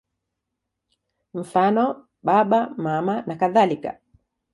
Mfano: Baba, Mama nakadhalika.